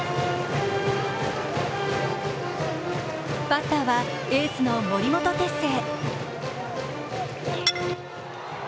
バッターはエースの森本哲星。